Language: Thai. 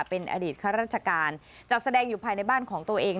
เป็นอดีตข้าราชการจัดแสดงอยู่ภายในบ้านของตัวเอง